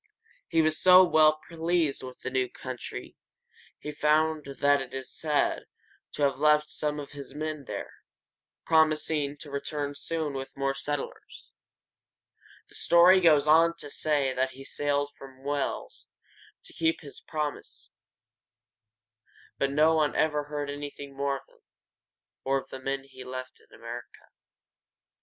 He was so well pleased with the new country he found that he is said to have left some of his men there, promising to return soon with more settlers. The story goes on to say that he sailed from Wales to keep this promise, but no one ever heard anything more of him, or of the men he left in America.